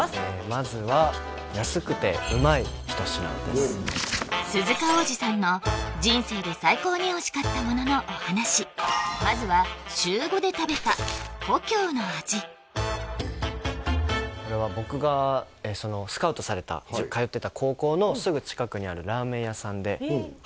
まずは安くてうまい一品です鈴鹿央士さんの人生で最高においしかったもののお話まずはこれは僕がスカウトされた通ってた高校のすぐ近くにあるラーメン屋さんで